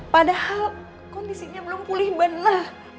padahal kondisinya belum pulih benar